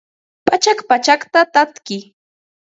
Pachak pachakcha tatki